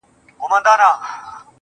o ورور مي دی هغه دی ما خپله وژني.